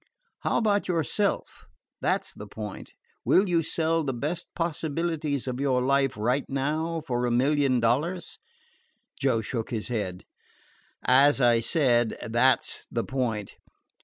How about yourself? That 's the point. Will you sell the best possibilities of your life right now for a million dollars?" Joe shook his head. "As I said, that 's the point.